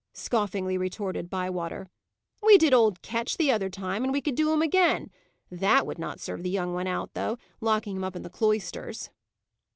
scoffingly retorted Bywater. "We did old Ketch the other time, and we could do him again. That would not serve the young one out, locking him up in the cloisters."